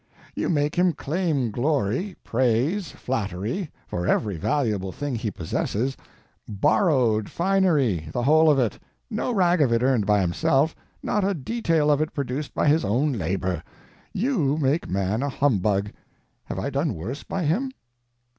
You make him claim glory, praise, flattery, for every valuable thing he possesses—_borrowed _finery, the whole of it; no rag of it earned by himself, not a detail of it produced by his own labor. _You _make man a humbug; have I done worse by him?